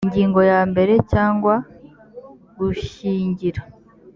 ingingo ya mbere kwanga gushyingira